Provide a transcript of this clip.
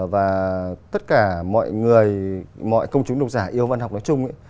và tất cả mọi người mọi công chúng độc giả yêu văn học nói chung